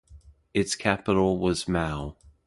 Its capital was Mao.